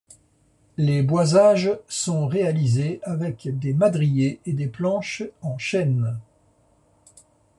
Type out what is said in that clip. Les boisages sont réalisés avec des madriers et des planches en chêne.